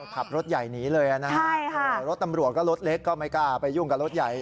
ขับรถใหญ่หนีเลยนะฮะรถตำรวจก็รถเล็กก็ไม่กล้าไปยุ่งกับรถใหญ่